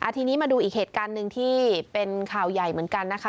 ทีนี้มาดูอีกเหตุการณ์หนึ่งที่เป็นข่าวใหญ่เหมือนกันนะคะ